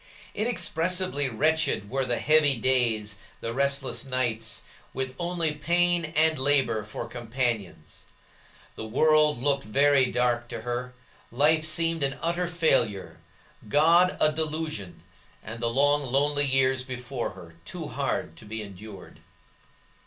Inexpressibly wretched were the dreary days, the restless nights, with only pain and labor for companions. The world looked very dark to her, life seemed an utter failure, God a delusion, and the long, lonely years before her too hard to be endured.